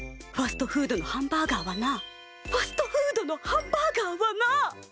ファストフードのハンバーガーはなファストフードのハンバーガーはな。